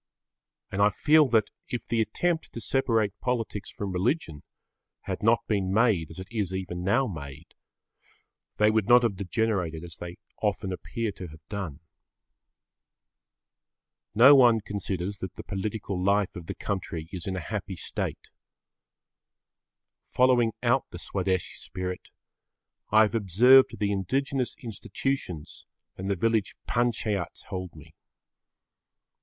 And I feel that, if the attempt to separate politics from religion had not been made as it is even now made, they would not have degenerated as they often appear to have done. No one considers that the political life of the country is in a happy state. Following out the Swadeshi spirit, I observe the indigenous institutions and the village panchayats hold me.